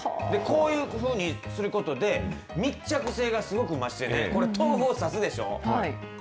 こういうふうにすることで、密着性がすごく増して、これ、豆腐を刺すでしょ。